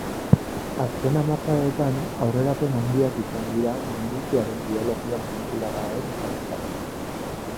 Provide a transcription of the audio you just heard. Azken hamarkadetan aurrerapen handiak izan dira minbiziaren biologia molekularraren ezagutzan.